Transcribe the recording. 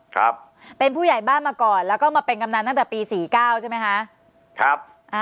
ครับเป็นผู้ใหญ่บ้านมาก่อนแล้วก็มาเป็นกำนันตั้งแต่ปีสี่เก้าใช่ไหมคะครับอ่า